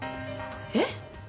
えっ？